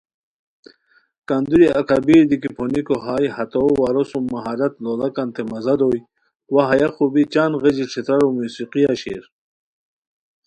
کندوری اکھابیر دی کی پھونیکو ہائے ہتو وارو سُم مہارت لوڑاکانتے مزہ دوئے وا ہیہ خوبی چان غیژی ݯھترارو موسیقیہ شیر